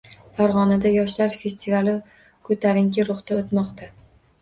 Farg‘onada “Yoshlar festivali” ko‘tarinki ruhda o‘tmoqda